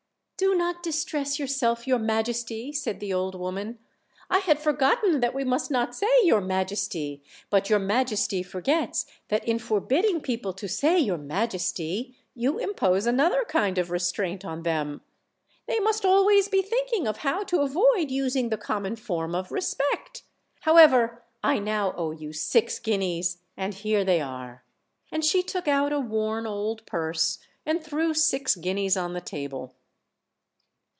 "Do not distress yourself, your majesty," said the old woman; "I had forgotten that we must not say 'your majesty;' but your majesty forgets that in forbidding people to say 'your majesty,' you impose another kind of restraint on them. They must always be thinking of how to avoid using the common form of respect. How ever, I now owe you six guineas, and here they are." And she took out a worn old purse, and threw six guineas on the table.